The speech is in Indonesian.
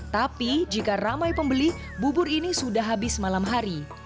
tapi jika ramai pembeli bubur ini sudah habis malam hari